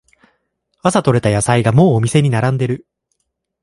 朝とれた野菜がもうお店に並んでる